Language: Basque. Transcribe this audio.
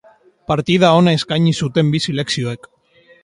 Partida ona eskaini zuten bi selekzioek.